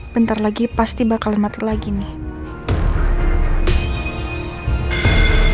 bentar lagi pasti bakal mati lagi nih